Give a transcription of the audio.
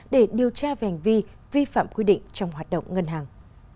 để điều tra về hành vi vi phạm quy định trong hoạt động ngân hàng